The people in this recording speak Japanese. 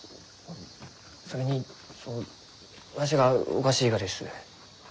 それにそのわしがおかしいがです。